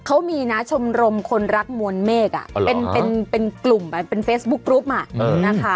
เขามีนะชมรมคนรักมวลเมฆเป็นกลุ่มเป็นเฟซบุ๊กกรุ๊ปนะคะ